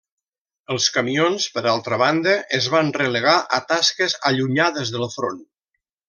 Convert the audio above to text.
Els camions, per altra banda, es van relegar a tasques allunyades del front.